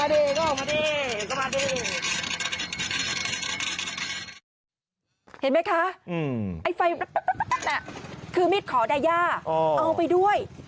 เห็นไหมคะไอ้ไฟคือมีดขอดาย่าเอาไปด้วย